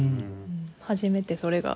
初めてそれが。